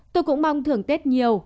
tôi cũng mong thưởng tết nhiều